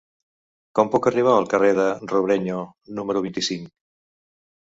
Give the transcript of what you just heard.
Com puc arribar al carrer de Robrenyo número vint-i-cinc?